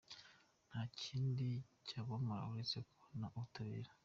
Nta kindi cyabomora uretse kubona ubutabera